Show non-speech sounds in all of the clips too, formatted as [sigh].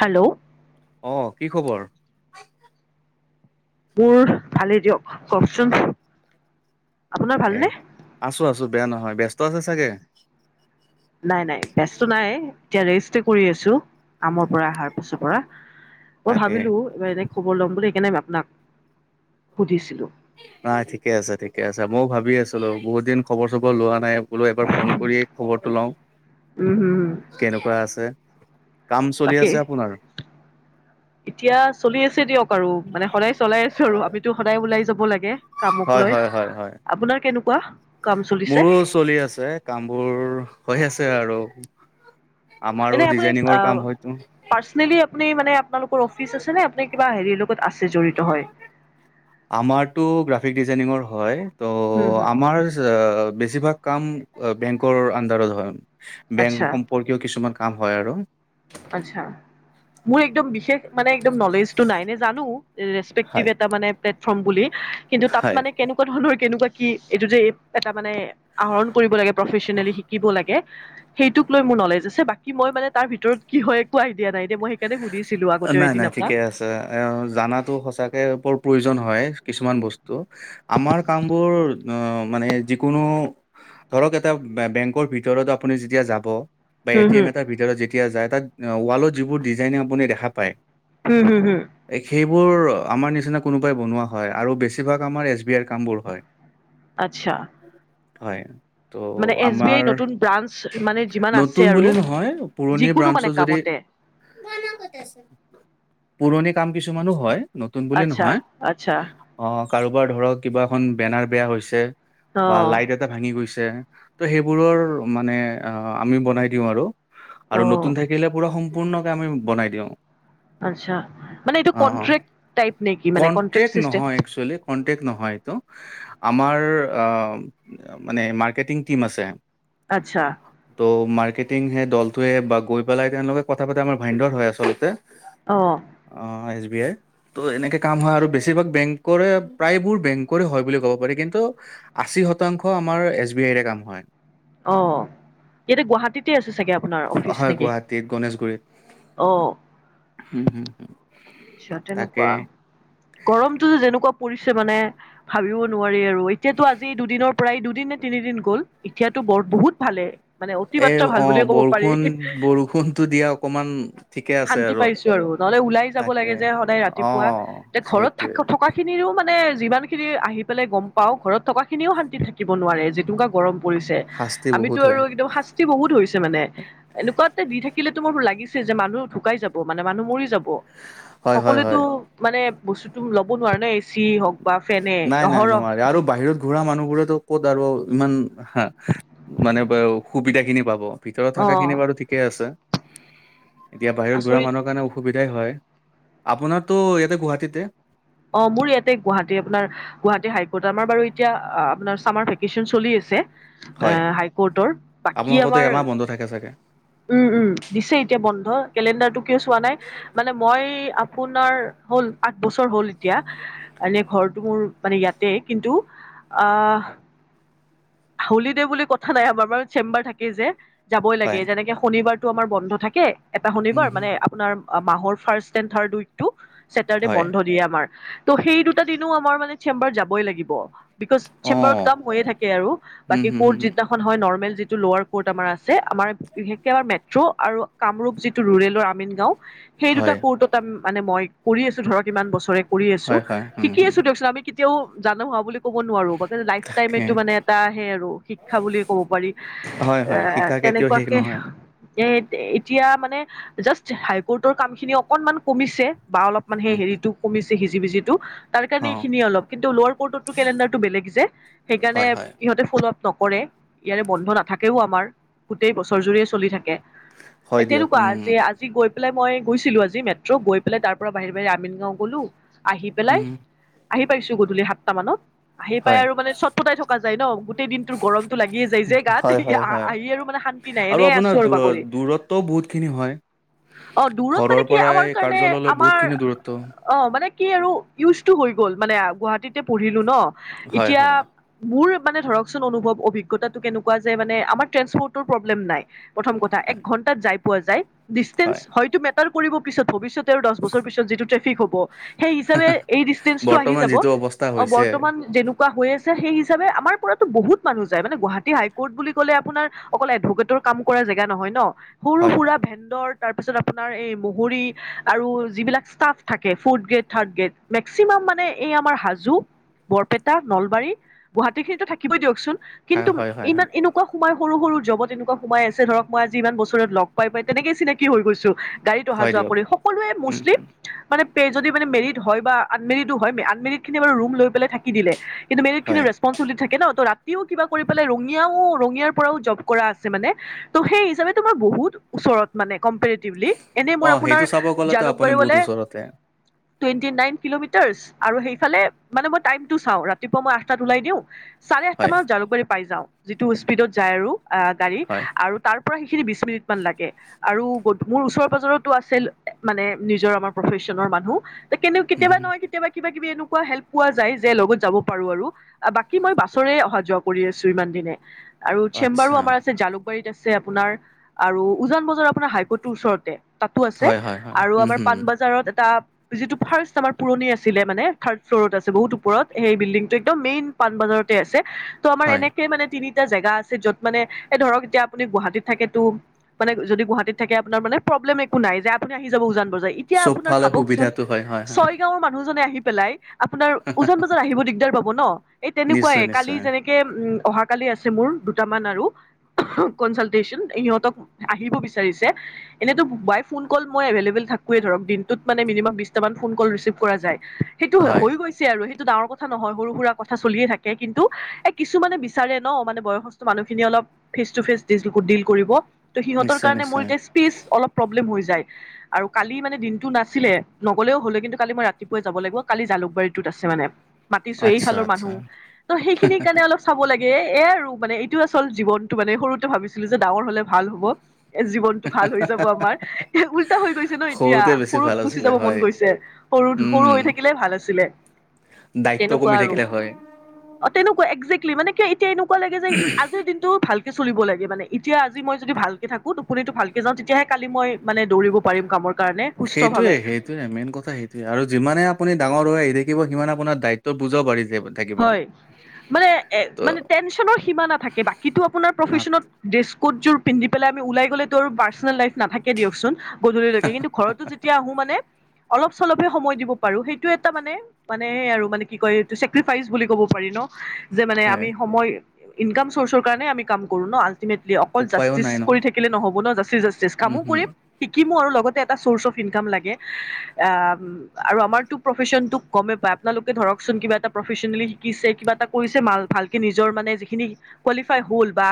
Hello. অ' কি খবৰ? মোৰ ভালেই দিয়ক কওকচোন। আপোনাৰ এ ভালনে আছোঁ আছোঁ বেয়া নহয় ব্যস্ত আছে চাগে? নাই নাই তেজটো নাই, এতিয়া ৰেষ্টে কৰি আছোঁ। কমৰ পৰা অহাৰ পিছৰ পৰা মই, তাকে ভাবিলোঁ এইবাৰ যে খবৰ ল'ম বুলি সেইকাৰণে আপোনাক সুধিছিলোঁ। নাই ঠিকে আছে ঠিকে আছে ময়ো ভাবি আছিলো বহুত দিন খবৰ চবৰ লোৱা নাই। বোলে এবাৰ ফোন কৰি খবৰটো লওঁ উম হম হম কেনেকুৱা আছে। কাম চলি তাকে আছে আপোনাৰ? এতিয়া চলি আছে দিয়ক আৰু, মানে সদায় চলাই আছোঁ আৰু আমিতো সদায় ওলাই যাব লাগে। কামক হয় লৈ হয় হয় হয় আপোনাৰ কেনেকুৱা কাম চলিছে? মোৰো চলি আছে, কামবোৰ হৈ আছে আৰু। আমাৰো এনে আপুনি ডিজাইনিঙৰ আহ কাম হয়তো। পাৰ্চনেলি আপুনি মানে আপোনালোকৰ অফিচ আছে নে, আপুনি কিবা হেৰিৰ লগত আছে জড়িত হৈ? আমাৰতো গ্ৰাফিক ডিজাইনিঙৰ হয় ত' হম হম আমাৰ বেছিভাগ কাম এ বেংকৰ উন্দাৰত হয়, আচ্ছা বেংক সম্পৰ্কীয় কিছুমান কাম হয় আৰু। আচছা, মুৰ একদম বিশেষ মানে একদম নলেজটো নাই এনে জানো ৰেচপেক্টিভ হয় এটা মানে প্লেটফৰ্ম বুলি কিন্তু তাত মানে হয় কেনো ক'ত ধৰণৰ কেনেকুৱা কি এইটো যে এটা মানে আহৰণ কৰিব লাগে প্ৰফেচনেলি শিকিব লাগে, সেইটোক লৈ মোৰ নলেজ আছে বাকী মই মানে তাৰ ভিতৰত কি হয় একো আইদিয় নাইতিয়া মই সেইকাৰণে সুধিছিলো আগতে এদিন আপোনাক। এই অ জানাতো সঁচাকৈ বৰ প্ৰয়োজন হয় কিছুমান বস্তু। আমাৰ কাম বোৰ অ মানে যিকোনো ধৰক এটা বেংকৰ ভিতৰত আপুনি যেতিয়া যাব। বা হুম এ টি হুম এম এটাৰ ভিতৰত যেতিয়া যায় তাত ৱালত যিবোৰ ডিজাইনিং আপুনি দেখা পাই। হুম হুম হুম। সেইবোৰ আমাৰ নিচিনা কোনোবাই বনোৱা হয় আৰু বেছিভাগ আমাৰ এছ বি আৰ কাম বোৰ হয়। [inaudible] আচ্ছা। হয়। ত' মানে এছ বি আমাৰ আই নতুন ব্ৰাঞ্চ মানে যিমান আছে নতুন আৰু বুলি নহয়। পুৰণি যিকোনো মানে ব্ৰাঞ্চো যদি কামতে পুৰণি কাম কিছুমানো হয় নতুন বুলি আচ্ছা নহয়। আচ্ছা অ' কাৰোবাৰ ধৰক কিবা এখন বেনাৰ বেয়া হৈছে, অ বা লাইট এ এটা ভাঙি গৈছে ত' সেইবোৰৰ মানে আমি বনাই দিওঁ আৰু। অ আৰু নতুন থাকিলে পুৰা সম্পূৰ্ণকে আমি বনাই দিওঁ। আচ্ছা, মানে এইটো অ অ কনট্ৰেক্ট তাইপ নেকি মানে কনট্ৰেক্ট চিষ্টেম। কণ্ট্ৰেক নহয়, এইতো আমাৰ আ ম মানে মাৰ্কেটিং টিম আছে। আচ্ছা। ত' মাৰ্কেটিং সেই দলটোৱে বা গৈ পেলাই তেওঁলোকে কথা পাতে আমাৰ ভাইনডৰ হয় আচলতে। অঁ। অঁ এছ বি আই। ত' এনেকে কাম হয় আৰু বেছিভাগ বেংকৰে প্ৰায়বোৰ বেংকৰে হয় বুলি ক'ব পাৰি। কিন্তু আশী শতাংশ আমাৰ এছ বি আইৰে কাম হয়। অঁ, এতিয়া গুৱাহাটীতে আছে চাগে আপোনাৰ অফিচ নেকি? অ উম হুম হু। আচ্ছা তেনেকুৱা গৰমটো যে যেনেকুৱা পৰিছে মানে ভাবিব নোৱাৰি আৰু এতিয়াতো আজি দুদিনৰ পৰাই এই দুদিন নে তিনিদিন গ'ল এতিয়াতো বৰ বহুত ভালে, মানে এই অতিমাত্ৰা ভাল বুলিয়ে অঁ ক'ব বৰষুণ পাৰি বৰষুণটো দিয়া অকমান ঠিকে আছে শান্তি আৰু। পাইছো আৰু, নহ'লে ওলাই যাব তাকে লাগে যে সদায় অ ৰাতিপুৱা এ ঘৰত সেইটোৱে থ কাৰ খিনিৰো মানে যিমানখিনি আহি পেলাই গম পাওঁ, ঘৰত থকা খিনিও শান্তি থাকিব নোৱাৰে যেনেকুৱা গৰম। পৰিছে, শাস্তি আমিতো বহুত হয় আৰু একদম শাস্তি বহুত হৈছে মানে এনেকুৱাতে দি থা কিলে তো মোৰো লাগিছে যে মানুহ ঢুকাই যাব মানে মানুহ মৰি যাব। হয় হয় সকলোৱো তো হয় মানে বস্তুতো ল'ব নোৱাৰে ন, এচি হওঁক নাই নাই নোৱাৰে আৰু বাহিৰত ঘূৰা মানুহবোৰত ক'ত আৰু ইমান হা মানে বাও সুবিধা খিনি পাব ভিতৰত অ থকা খিনি বাৰু। ঠিকে আছে, এতিয়া বাহিৰত ঘূৰা আচৰিত মানুহৰ কাৰণে সুবিধাই হয়, আপোনাৰতো ইয়াতে গুৱাহাটীতে। অঁ মোৰ ইয়াতে গুৱাহাটী আপোনাৰ গুৱাহাটী হাইকোৰ্ট আমাৰ বাৰু এতিয়া আপোনাৰ ছামাৰ ভেকেশ্যচন চলি আছে। এ হয় হাই কোৰ্টৰ, বাকী আপোনালোকতো আমাৰ এমাহ বন্ধ থাকে চাগে উম উম দিছে এতিয়া বন্ধ, কেলেণ্ডাৰটো কিয় চোৱা নাই মানে মই আ আপোনাৰ হ'ল আঠ বছৰ হ'ল এতিয়া, এনেই ঘৰটো মোৰ মানে ইয়াতে কিন্তু আঁহ হলিডে বুলি কথা নাই আমাৰ বাৰু চেম্বাৰ থাকে যে যাবই হয় লাগে, যেনেকে শনিবাৰ আমাৰ বন্ধ থাকে, এটা উম শনিবাৰ মানে হুম আপোনাৰ মাহৰ ফাৰ্ষ্ট থাৰ্ড উইক টো, চেটাৰডে হয় বন্ধ দিয়ে আমাৰ, ত সেই দুটা দিনো আমাৰ মানে চেম্বাৰ যাবই লাগিব। বিকজ অ চেম্বাৰত কাম হৈয়ে থাকে আৰু উম বাকী হুম কত হুম যি সেই দিনাখন হয় নৰ্মেল যিটো লোৱাৰ কোৰ্ট আমাৰ আছে, আমাৰ বিশেষকে আমাৰ মেট্ৰ' আৰু কামৰূপ যিটো ৰুৰেলৰ আমিন গাঁও, সেই দুটা হয় কোৰ্টত মানে মই কৰি আছো ধৰক ইমান বছৰে। কৰি আছো, হয় হয় উম শিকি হুম আছো দিয়কচোন আমি কেতিয়াও জানো হোৱা বুলি ক'ব নোৱাৰো ব লাইফ টাইমটো তাকে মানে আহে আৰু, শিক্ষা বুলিয়ে ক'ব পাৰি, হয়, হয়, এ শিকা কেতিয়াও শেষ তেনেকুৱাকে নহয়। এ এতিয়া মানে জাষ্ট হাই কৰ্টৰ কাম খিনি অকনমান কমিছে বা অলপমান সেই উম, হেৰিটো কমিছে সিজি ভিজিটো। তাৰ কাৰণে অ', এইখিনিয়ে অলপ কিন্তু লোৱাৰ কৰ্টো কেলেণ্ডাৰটো বেলেগ যে সেইকাৰণে হয়, হয়, ইহঁতে, ফল আপ নকৰে ইয়াৰে বন্ধ নাথাকেও আমাৰ গোটেই বছৰ জুৰিয়ে চলি থাকে। হয় দিয়ক, তেনেকুৱা উম, আছে আ জি গৈ পাই মই গৈছিলো আজি মেট্ৰ' গৈ পাই তাৰ পৰা বাহিৰ বাহি আমিন গাওঁ গ'লো। আহি পেলাই, উম, আহি পাইছো গধূলি সাতটা মানত আহি পাই হয়, আৰু মানে চট পটাই থকা ন গোটেই দিনটোৰ গৰমতটো লাগিয়ে যায় যে গাত হয়, হয়, হয়। আহি আৰু মানে শান্তি নাই আৰু এনে আপোনাৰ আছো দূ ৰ বাগৰি। দূৰত্বও বহুতখিনি হয়। অ' দূৰত মানে ঘৰৰ কি পৰাই আমাৰ কাৰণে কাৰ্যালয়লৈ আমাৰ বহুতখিনি দূৰত্ব। অ' মানে কি আৰু ইউজটো গৈ গ'ল মানে গুৱাহাটীতে পঢ়িলো ন' হয়, এতিয়া হয়, মোৰে মানে ধৰকচোন অনুভৱ অভিজ্ঞতাটো কেনেকুৱা যে মানে আমাৰ ট্ৰেন্সপৰ্টৰ প্ৰব্লেম নাই। প্ৰথম কথা হয়, এক ঘন্টাত যাই পোৱা যায়, হয়, ডিচটেন্স হয়তো মে কৰিব পিছত ভৱিষ্যতে আৰু দশ বছৰ পিছত যিটো ট্ৰেফিক হ'ব সেই হিচাপে এই ডিচতেন্ঞ্চটো আহি বৰ্তমান যাব। যিটো অৱস্থা অ' হৈছে, বৰ্তমান যেনেকুৱা হৈ আছে সেই আমাৰ পৰাতো বহুত মানুহ যায়। মানে গুৱাহাটী হাই কৰ্ট বুলি ক'লে আপোনাৰ অকল এডভোকেটৰ কাম কৰা জেগা নহয় ন', সৰু হয়, সুৰা হয়, ভেন্দৰ তাৰপিছত আপোনাৰ এই মহৰী আৰু যিবিলাক ষ্টাফ থাকে fourth grade, third grade. Maximum মানে এই আমাৰ হাজো, বৰপেটা নলবাৰী গুৱাহাটী খিনিতো থাকিবই দিয়কচোন। হয়, কিন্তু হয়, হয়, হয় ইমান এনে এনেকুৱা সোমাই সৰু-সৰু জবত এনেকুৱা সোমাই আছে ধৰক মই আজি ইমান বছৰত লগ পাই পাই তেনেকে চিনাকি হৈ গৈছো। গাড়ীত হয় অহা-যোৱা দিয়ক, কৰি সকলোৱে উম, মুছলিম। উম, মানে পে যদি মানে মেৰিড হয় বা আনমেৰিডো হয়, আনমেৰিডখিনি বাৰু ৰুম লৈ পেলাই থাকি দিলে। কিন্তু মেৰিডখিনি হয়। [unintelligible] থাকে ন', ত' ৰাতিও কিবা কৰি পেলাই ৰঙিয়াও, ৰঙিয়াৰ পৰাও জব কৰা আছে মানে। ত' সেই হিচাপেতো মই বহুত ওচৰত মানে কোম্পেনীত [unintelligible] এনেই মই অ', আপোনাৰ সেইটো চাব গ'লেতো আপুনি জালুকবাৰী বহুত গ'লে ওচৰতে, টুৱেণ্টি নাইন কিলোমিটাৰচ আৰু সেইফালে মানে মই টাইমটো চাওঁ, ৰাতিপুৱা মই আঠটাত ওলাই দিওঁ। চাৰে আঠটা হয়, মানত জালুকবাৰী পাই যাওঁ, যিটো স্পীডত যায় আৰু আ গাড়ী হয়, আৰু তাৰ পৰা সেইখিনি বিশ মিনিটমান লাগে। আৰু গ মোৰ ওচৰে পাজৰে তো আছিল, মানে নিজৰ আমাৰ প্ৰফেচনৰ মানুহ। সেইকাৰণেও কেতিয়াবা উম, নহয়, কেতিয়াবা কিবাকিবি এনেকুৱা হেল্প পোৱা যায় যে, লগত যাব পাৰো আৰু। বাকী মই বাছৰে অহা যোৱা কৰি আছো ইমান দিনে আৰু চেম্বাৰো আচ্ছা। আমাৰ আছে জালুক জালুকবাৰীত আছে আপোনাৰ আৰু উজান বজাৰ আপোনাৰ হাইকৰ্টটোৰ ওচৰতে। তাতো আছে, হয়, হয়, হয়, আৰু উম, আমাৰ হুম, পাণবজাৰত এটা যিটো ফাৰ্ষ্ট আমাৰ পুৰণি আছিলে মানে থাৰ্ড ফ্ল'ৰত আছে, বহুত ওপৰত সেই বিল্ডিংটো একদম মেইন পাণবজাৰতে আছে। ত' আমাৰ হয়, এনেকে মানে তিনি এতিয়া জেগা আছে য'ত মানে এ ধৰক এতিয়া আপুনি গুৱাহাটীত থাকেতো মানে যদি গুৱাহাটীত থাকে আপোনাৰ মানে প্ৰব্লেম একো নাই যে আপুনি আহি যাব উজান বজাৰ এতিয়া আপোনাৰ চবফালে ভাবকচোন, সুবিধাটো হয়, হয়, হয়, ছয়গাঁৱৰ মানুহজনে আহি পেলাই আপোনাৰ উজান বজাৰ আহিব দিগদাৰ পাব ন', এই নিশ্চয়, তেনেকুৱাই কালি নিশ্চয়। যেনে তেনেকে উম অহা কালি আছে মোৰ দুটামান আৰু। কনচালটেশ্যচন, ইহঁতক আহিব বিচাৰিছে। এনেতো বাই ফোন কল মই এভেইলেবল থাকোৱেই ধৰক, দিনটোত মানে মিনিমাম বিশটা মান ফোন কল ৰিচিভ কৰা যায়। সেইটো হয়, হৈ গৈছে আৰু সেইটো ডাঙৰ কথা নহয়, সৰু সুৰা কথা চলিয়ে থাকে। কিন্তু এ কিছুমানে বিচাৰে ন' মানে বয়সস্থ মানুহখিনিয়ে অলপ ফেচ টু ফেচ [unintelligible] ডিল কৰিব, ত' সিহঁতৰ নিশ্চয়, কাৰণে মোৰ নিশ্চয়। এতিয়া স্পেচ অলপ প্ৰব্লেম হৈ যায়। আৰু কালি মানে দিনটো নাছিলে, নগ'লেও হ'লে কিন্তু কালি মই ৰাতিপুৱাই যাব লাগিব, কালি জালুকবাৰীটোত আছে মানে। মাতিছো আচ্ছা, এইফালৰ আচ্ছা। মানুহ, ত' সেইখিনিৰ কাৰণে অলপ চব চাব লাগে, এই এ আৰু মানে এইটো আচল জীৱনটো মানে সৰুতে ভাবিছিলো যে ডাঙৰ হ'লে ভাল হ'ব। এ জীৱনটো ভাল হৈ যাব আমাৰ, এ উল্টা হৈ গৈছে ন' এতিয়া, সৰুতে বেছি সৰুত ভাল গুচি আছিলে যাব মন হয়। গৈছে। সৰুত সৰু উম, হৈ থাকিলে ভাল আছিলে। দায়িত্ব তেনেকুৱা কমি আৰু থাকিলে হয়। অ, তেনেকুৱা একজেক্টলি মানে কিয় এতিয়া এনেকুৱা লাগে যে আজি দিনটো ভাল ভালকে চলিব লাগে মানে এতিয়া আজি মই যদি ভালকে থাকো, টোপনিতো ভালকে যাওঁ। তেতিয়াহে কালি মই মানে দৌৰিব পাৰিম কামৰ কাৰণে সুস্থ ভাৱে সেইটোৱে-সেই। সেইটোৱে মেইন কথা সেইটোৱে আৰু যিমানে আপুনি ডাঙৰ হৈ আহি থাকিব, সিমানে আপোনাৰ দায়িত্ব বুজা বাঢ়ি [unintelligible] হয়, মানে-মানে ত' টেনচনৰ সীমা নাথাকে। বাকীতো আপোনাৰ নাত প্ৰফেশচনত ড্ৰেছকোট জোৰ পিন্ধি পেলাই আমি ওলাই গ'লে, ত পাৰ্চনেল লাইফ নাথাকে দিয়কচোন। গধূলিলৈকে, কিন্তু ঘৰতো যেতিয়া আহো মানে অলপ-চলপহে সময় দিব পাৰো, সেইটো এটা মানে-মানে আৰু মানে কি কয় এইটো চেত্ৰিপ্ৰাইছ বুলি ক'ব পাৰি ন, যে মানে হয়, আমি সময় ইনকাম চৰ্চৰ কাৰণে আমি কাম কৰো ন। আল্টিমেটলি, অকল উপায়ো জাস্তিত নাই কৰি নহয়। থাকিলে নহ'ব ন, জাষ্টি-জাষ্টি, উম, কামো হুম, কৰিম। শিকিমো আৰু লগতে এটা চৰ্চ অফ ইনকাম লাগে, আহ আৰু আমাৰতো প্ৰফেচন তো কমে পায়, আপোনালোকে ধৰকচোন কিবা এটা প্ৰফেচনেলি শিকিছে কিবা এটা কৰিছে মাল ভালকে নিজৰ মানে যিখিনি কোৱালিফাই হ'ল বা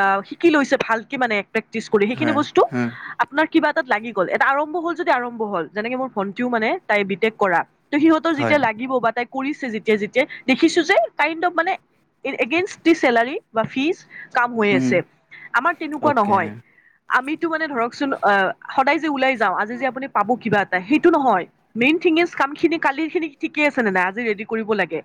আহ শিকি লৈছে ভালকে মানে প্ৰেক্টিচ কৰি সেইখিনি হয়, বস্তু হুম, আপোনাৰ কিবা এটাত লাগি গ'ল এটা আৰম্ভ হ'ল যদি আৰম্ভ হ'ল, যেনেকে মোৰ ভন্টিও মানে তাই বিটেক কৰা। ত সিহঁতৰ যেতিয়া হয়, লাগিব বা তাই কৰিছে যি যেতিয়া তেতিয়াই দেখিছো যে কাইণ্ড অফ মানে এগেইনষ্ট দি চেলাৰী বা ফিজ কাম হৈ আছে, উম, আমাৰ তেনেকুৱা অ'কে। নহয়। আমিতো মানে ধৰকচোন আহ' সদায় যে ওলাই যাওঁ, আজি যে আপুনি পাব কিবা এটা সেইটো নহয়। মেইন থিং ইজ কামখিনি কালিৰ খিনি ঠিকে আছে নে নাই, আজি ৰেদি কৰিব লাগে,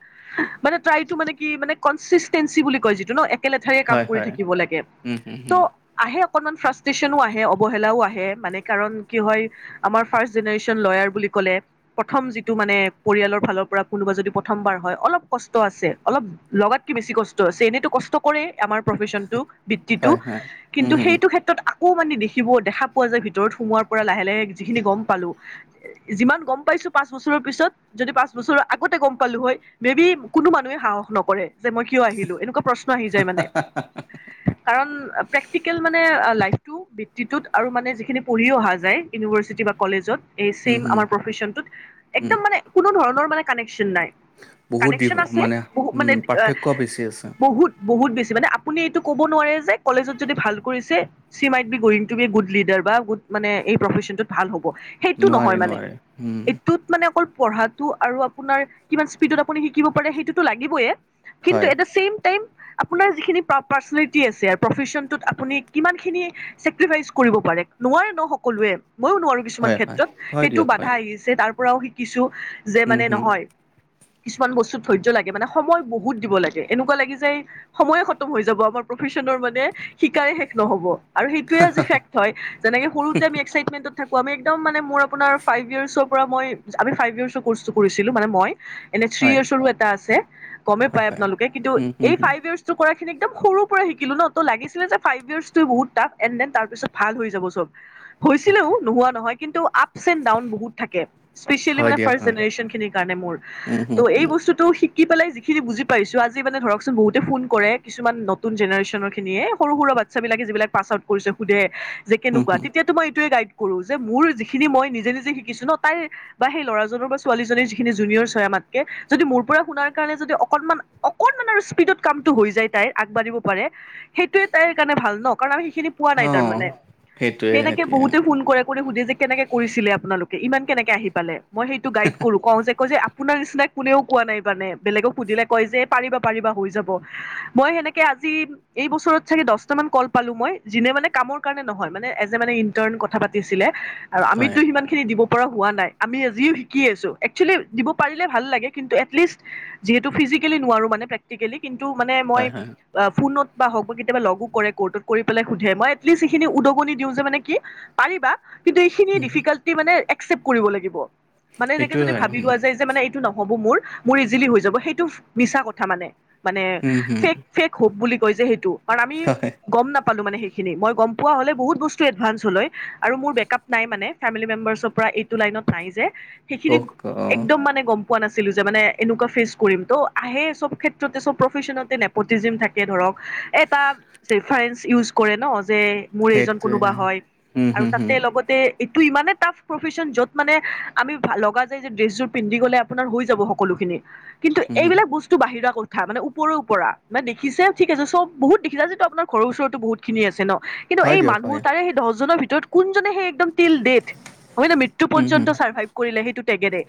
মানে ট্ৰাই টো মানে কি মানে কঞ্চিষ্টেচি বুলি কয় যিটো ন একেলেঠাৰে কাম হয়, কৰি হয়। থাকিব লাগে। উম, হুম, হুম, ত' আহে অকনমান ফ্ৰাষ্ট্ৰেচনো আহে, অৱহেলাও আহে মানে কাৰণ কি হয় আমাৰ ফাৰ্ষ্ট জেনেৰেশ্যন লয়াৰ বুলি ক'লে প্ৰথম যিটো মানে পৰিয়ালৰ ফালৰ পৰা কোনোবা যদি প্ৰথমবাৰ হয় অলপ কষ্ট আছে অলপ লগাতকে বেছি কষ্ট আছে, এনেইতো কষ্ট কৰে আমাৰ প্ৰফেচনটো বৃত্তিটো হয়, হয়। উম, কিন্তু হুম, সেইটো ক্ষেত্ৰ ত আকৌ মানে দেখিব দেখা পোৱা যায় ভিতৰত সোমোৱাৰ পৰা লাহে লাহে যিখিনি গম পালোঁ। যিমান গম পাইছো পাঁচ বছৰৰ পিছত, যদি পাঁচ বছৰৰ আগতে গম পালো হয় মে বি কোনো মানুহে সাহস নকৰে যে মই কিয় আহিলো, এনেকুৱা প্ৰশ্ন আহি যায় মানে। [unintelligible] কাৰণ প্ৰেক্টিকেল মানে লাইফটো বৃত্তিটোত আৰু মানে যিখিনি পঢ়িও অহা যায় ইউনিভাৰ্চিটি বা কলেজত। এই উম, চেম হুম, আমাৰ প্ৰফেচনটোত উম, একদম মানে কোনো ধৰণৰ মানে কানেকশ্বন নাই। বহুত দিব কানেকশ্বন আছে মানে বহুত উম, মানে পাৰ্থক্য বেছি আছে। বহুত বহুত বেছি মানে আপুনি এইটো ক'ব নোৱাৰে যে কলেজত যদি ভাল কৰিছে চি মাইড বি গোৰিঙ টো গুড লিডাৰ বা গুড মানে এই প্ৰফেচনটোত ভাল হ'ব। সেইটো নোৱাৰে, নহয় মানে, নোৱাৰে। উম, এইটোত মানে অকল পঢ়াটো আৰু আপোনাৰ কিমান স্পীডত আপুনি শিকিব পাৰে সেইটোতো লাগিবয়ে কিন্তু হয়। এটা ছেম টাইম আপোনাৰ যিখিনি পা পাৰ্চনেলিটি আছে আৰু প্ৰফেচনটোত আপুনি কিমানখিনি চেকৰিফাইচ কৰিব পাৰে, নোৱাৰে ন সকলোৱে মইয়ো নোৱাৰো কিছুমান হয়, হয়, ক্ষেত্ৰত, হয় সেইটো দিয়ক হয়। বাধা আহিছ ছে তাৰ পৰাও শিকিছো যে উম, মানে হুম। নহয়। কিছুমান বস্তুত ধৈৰ্য্য লাগে মানে সময় বহুত দিব লাগে। এনেকুৱা লাগি যায় সময়ে খতম হৈ যাব আমাৰ প্ৰফেচনৰ মানে শিকাই শেষ নহ'ব আৰু সেইটোৱেই আজি ফেক্ হয়, যেনেকে সৰুতে আমি এক্সাইটমেন্টত থাকো। আমি একদম মানে মোৰ আপোনাৰ ফাইভ ইয়াৰ্চৰ পৰা মই আমি ফাইভ ইয়াৰ্চৰ কৰ্চটো কৰিছিলো মানে মই। এনেই থ্ৰী হয়, ইয়েৰ্চৰো এটা আছে গ'মেই হয়, পায় হয়। আপোনালোকে, কিন্তু উম, হুম, এই হুম। ফাইভ ইয়াৰ্চ- ত কৰাখিন একদম সৰু পৰা শিকো ন। ত' লাগিছিলে যে ফাইভ ইয়াৰ্ছটো বহুত টাফ, এণ্ড দেন তাৰ পিছত ভাল হৈ যাব চব। হৈছিলেও তাকে, নোহোৱা নহয়, কিন্তু আপচ এণ্ড ডাউন বহুত থাকে। স্পেচিয়েলি হয় মানে দিয়ক ফাৰ্ষ্ট হয়। জেনেৰেচন খিনিৰ কাৰণে মোৰ, উম, হুম, ত' এই হুম, বস্তু- তো শিকি পেলাই যিখিনি বুজি পাইছো টো টো সিকি পেলাই যিখিনি বুজি পাইছো আজি মানে ধৰকচোন বহুতে ফোন কৰে। কিছুমান নতুন জেনেশ্যনৰ খিনিয়ে সৰু সুৰুা বাট বাচ্ছা বিলাকে যিবিলাক পাছ আউট কৰিছে সুধে যে হুম, কেনেকুৱা? হুম। তেতিয়া মই এইটোৱে গাই- ফুৰু যে মোৰ যিখিনি মই নিজে নিজে শিকিছো ন, তাই বা সেই ল'ৰাজনৰ বা ছোৱালীজনীৰ যিখিনি জুনিয়ৰ হয় আমাতকে যদি মোৰ পৰা শুনাৰ কাৰণে যদি অকনমান অকনমান আৰু স্পীডত কামটো হৈ যায় তাইৰ আগবাঢ়িব পাৰে। সেইটোয়েই তাইৰ কাৰণে ভাল ন, কাৰণ আমি সেইখিনি পোৱা নাই অ', তাৰমানে, সেইটোৱে সেনেকে সেইটোৱে বহুতে ফোন কৰে কৰি সুধে যে কেনেকে কৰিছিলে আপোনালোকে ইমান কেনেকে আহি পালে, মই সেইটো গাইড কৰো। কওঁ যে কয় যে - আপোনাৰ নিচিনা কোনেও কোৱা নাই মানে, বেলেগক সুধিলে কয় যে পাৰিবা পাৰিবা হৈ যাব, মই সেনেকে আজি- এই বছৰত চাগে দহটামান কল পালো মই, যোনে মানে কামৰ কাৰণে নহয়, মানে এজ এ মানে ইণ্টাৰ্ণ কথা পাতিছিলে। আৰু হয়, আমিতো সিমান খিনি দিব পৰা হোৱা নাই। আমি আজিও শিকি আছো, এক্সুৱেলি দিব- পাৰিলে ভাল লাগে, কিন্তু এটলিষ্ট যিহেতু ফিজিকেলি নোৱাৰো। মানে প্ৰেক্টিকেলি কিন্তু মানে মই হয়, হয়। ফোনত বা হওঁক বা কেতিয়াবা লগো কৰে কৰ্টত, কৰি পেলাই সুধে মই এটলিষ্ট সেইখিনি উদ্দগনি দিওঁ যে মানে কি পাৰিবা। কিন্তু এইখিনি হুম, হুম। ডিফিকাল্টি মানে এক্সেপ্ট কৰিব লাগিব। মানে এনেকে সেইটোৱে যদি হয়, ভাবি উম। লোৱা যায় যে মানে এইটো নহ'ব মোৰ, মোৰ ইজিলি হৈ যাব সেইটো মিছা কথা মানে। মানে উম, হুম। ফেক ফেক হ'প বুলি কয় যে সেইটো। কাৰণ আমি হয়, গ'ম নাপালো মানে সেইখিনি, মই গ'ম পোৱা হ'লে বহুত বস্তু এডভানস হ'ল হয়। আৰু মোৰ বেকাপ নাই মানে, ফেমিলি মেম্বাৰ্চৰ পৰা এইটো লাইনত নাই যে। সেইখিনি অক অ', একদম মানে গ'ম পোৱা নাছিলো যে, মানে এনেকুৱ ফেচ কৰিম। ত' আহে চব ক্ষেত্ৰতে প্ৰফেচনত নেপতিজিম থা এতিয়া ধৰক, এটা ৰেফাৰেঞ্চ ইউজ কৰে ন, যে মোৰ এইজন কোনোবা সেইটোৱে। হয়, উম, আৰু হুম, হুম, তাতে লগতে এইটো ইমানে টাফ প্ৰফেচন য'ত মানে আমি লগা যায় যে ড্ৰেছ জোৰ পিন্ধি গ'লে আপোনাৰ হৈ যাব সকলো খিনি। কিন্তু হুম, হুম। এইবিলাক বস্তু টো বাহিৰা কথা, মানে ওপৰৰপৰা মানে দেখছে ঠিক আছে চব, বহুত দেখিছা যিটো আপোন ঘৰ ওচৰতো বহুত খিনি আছে ন, কিন্তু হয় এই দিয়ক মানুহ হয়। তাৰে সেই দহজনৰ ভিতৰত কোনজনে সেই একদম টিল ডেটথ হয় নে মৃত্যু উম, পৰ্যন্ত হুম। চাৰ্ভাইভ কৰিলে সেইটো টেগেৰে।